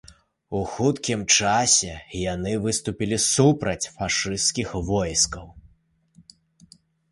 У хуткім часе яны выступілі супраць фашысцкіх войскаў.